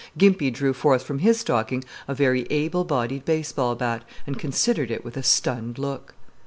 Gimpy drew forth from his stocking a very able bodied baseball bat and considered it with a stunned look.